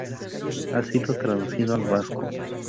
Ha sido traducido al vasco.